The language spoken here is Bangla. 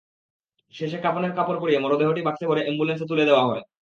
শেষে কাফনের কাপড় পরিয়ে মরদেহটি বাক্সে ভরে অ্যাম্বুলেন্সে তুলে দেওয়া হয়।